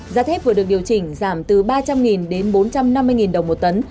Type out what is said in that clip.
giá thép vừa được điều chỉnh giảm từ ba trăm linh đến bốn trăm năm mươi đồng một tấn